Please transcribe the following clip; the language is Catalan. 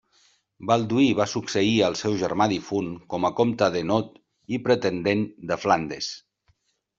Balduí va succeir al seu germà difunt com a comte d'Hainaut i pretendent de Flandes.